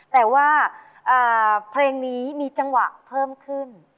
แต่ว่าเพลงนี้มีจังหวะเพิ่มขึ้น